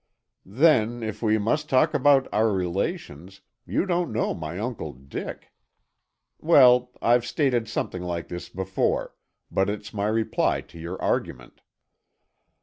Then, if we must talk about our relations, you don't know my uncle Dick. Well, I've stated something like this before, but it's my reply to your argument."